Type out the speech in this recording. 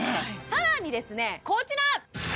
さらにですねこちら！